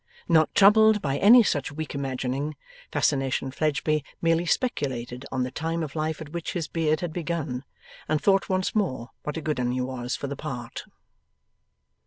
Not troubled by any such weak imagining, Fascination Fledgeby merely speculated on the time of life at which his beard had begun, and thought once more what a good 'un he was for the part.